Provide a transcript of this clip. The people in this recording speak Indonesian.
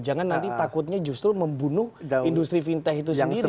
jangan nanti takutnya justru membunuh industri fintech itu sendiri